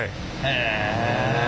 へえ。